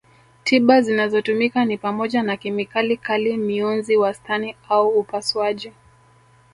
Tiba zinazotumika ni pamoja na kemikali kali mionzi wastani au upasuaji